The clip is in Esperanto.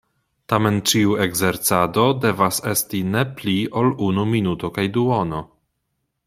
Tamen ĉiu ekzercado devas esti ne pli ol unu minuto kaj duono.